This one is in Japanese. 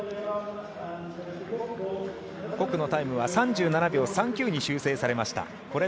コックのタイムは３７秒３９に修正されました。